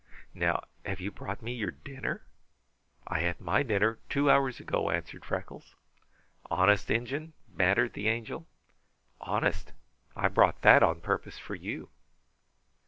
Now, have you brought me your dinner?" "I had my dinner two hours ago," answered Freckles. "Honest Injun?" bantered the Angel. "Honest! I brought that on purpose for you."